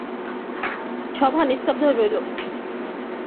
সভা নিস্তব্ধ হইল।